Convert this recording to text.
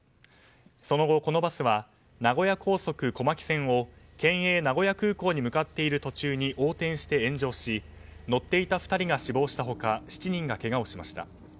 その後、このバスは名古屋高速小牧線を県営名古屋空港に向かっている途中に横転して炎上し乗っていた２人が死亡した他７人がけがをしました。